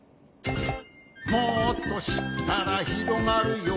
「もっとしったらひろがるよ」